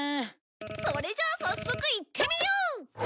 それじゃあ早速いってみよう！